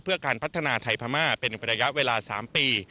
เพื่อการพัฒนาไทยพม่าเป็นระยะเวลา๓ปี